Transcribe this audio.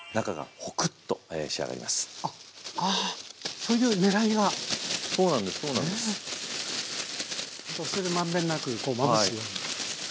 そして満遍なくこうまぶすように。